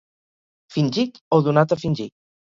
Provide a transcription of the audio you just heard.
Fingit o donat a fingir.